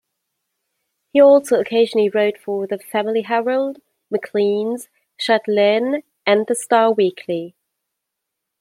He also occasionally wrote for the "Family Herald", "Maclean's", "Chatelaine" and the "Star Weekly".